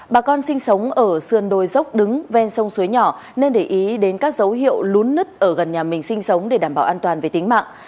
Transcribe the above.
bà con sinh sống ở sườn đồi dốc đứng ven sông suối nhỏ nên để ý đến các dấu hiệu lún nứt ở gần nhà mình sinh sống để đảm bảo an toàn về tính mạng